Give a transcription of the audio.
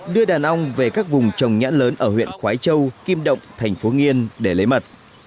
đưa đàn ong về các vùng trồng nhãn lớn ở huyện khói châu kim động thành phố nghiên để lấy mật